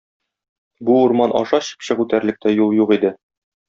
Бу урман аша чыпчык үтәрлек тә юл юк иде.